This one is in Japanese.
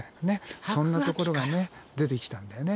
そんなところがね出てきたんだよね。